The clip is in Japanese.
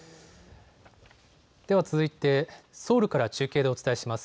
では続いてソウルから中継でお伝えします。